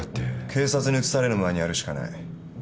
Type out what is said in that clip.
警察に移される前にやるしかない。